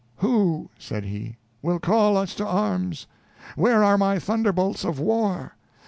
"Who," said he, "will call us to arms? Where are my thunderbolts of war?